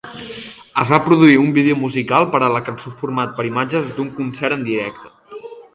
Es va produir un vídeo musical per a la cançó format per imatges d'un concert en directe.